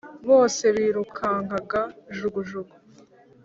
Bose birukanka jugujugu